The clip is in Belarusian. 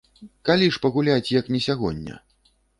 Калі ж пагуляць, як не сягоння?